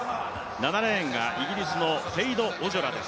７レーンがイギリスのオジョラです。